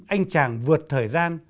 anh chàng vượt thời gian